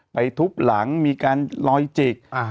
ทุบหลังมีการลอยจิก